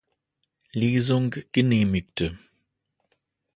Lesung genehmigte.